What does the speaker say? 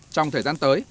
trong thời gian tới